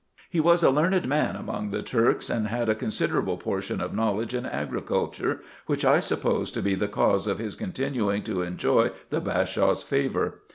He was a learned man among the Turks, and had a considerable portion of knowledge in agriculture, which I suppose to be the cause of his continuing to enjoy the Bashaw's favour.